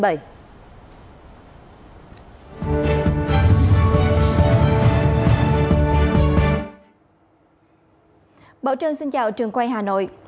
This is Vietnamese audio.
bảo trân xin chào trường quay hà nội